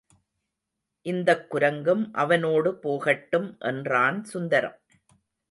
இந்தக் குரங்கும் அவனோடு போகட்டும் என்றான் சுந்தரம்.